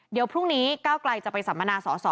เดี๋ยวพรุ่งนี้ก้าวไกลจะไปสัมมนาสอสอ